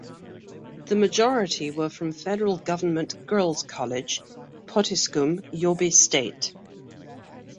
The majority were from Federal Government Girls' College, Potiskum, Yobe State.